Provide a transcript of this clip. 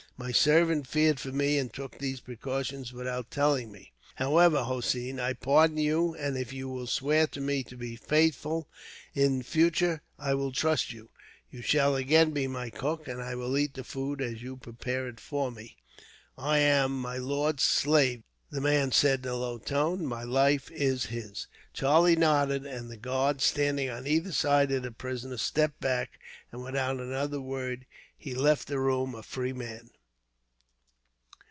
My servant feared for me, and took these precautions without telling me. However, Hossein, I pardon you, and if you will swear to me to be faithful, in future, I will trust you. You shall again be my cook, and I will eat the food as you prepare it for me." "I am my lord's slave," the man said in a low tone. "My life is his." Charlie nodded, and the guard standing on either side of the prisoner stepped back, and without another word he left the room, a free man.